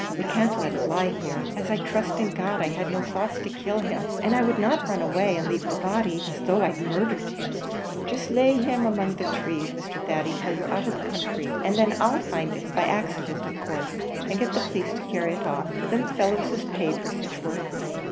We can't let it lie here. As I trust in God, I had no thoughts to kill him! and I would not run away, and lave the body here, as though I'd murdhered him." "Jist lay him asy among the trees, Mr. Thady, till you're out of the counthry; and then I'll find it, by accident in course, and get the police to carry it off. Thim fellows is paid for sich work."